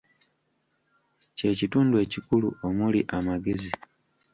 Kye kitundu ekikulu, omuli amagezi.